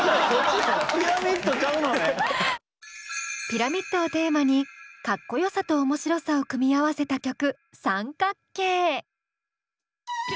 ピラミッドをテーマにかっこよさと面白さを組み合わせた曲「△」。